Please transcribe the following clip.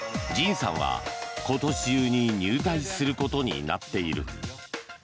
ＪＩＮさんは今年中に入隊することになっている。